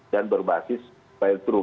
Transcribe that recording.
dan berbasis bailtrue